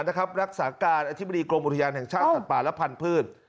รักษาการอธิบดีกรมอุทยานแห่งชาติสัตว์ป่าและพันธุ์